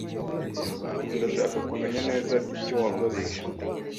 Ndashaka kumenya neza icyo wakoze.